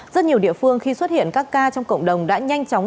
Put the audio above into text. rất nhiều địa phương khi xuất hiện các ca trong cộng đồng đã nhanh chóng